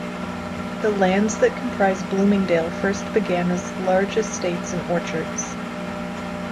The lands that comprise Bloomingdale first began as large estates and orchards.